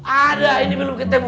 ada ini belum ketemu